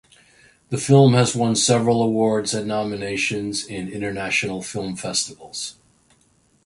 The film has won several awards and nominations in International film festivals.